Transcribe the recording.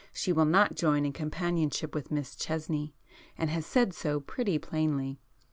She will not join in companionship with Miss Chesney, and has said so pretty plainly."